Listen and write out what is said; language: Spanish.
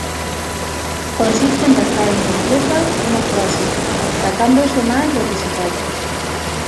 Consiste en dejar incompleta una frase, destacándose más lo que se calla.